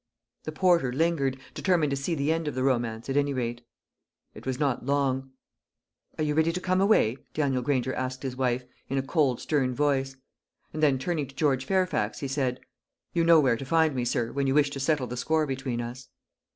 The porter lingered, determined to see the end of the romance, at any rate. It was not long. "Are you ready to come away?" Daniel Granger asked his wife, in a cold stern voice. And then, turning to George Fairfax, he said, "You know where to find me, sir, when you wish to settle the score between us."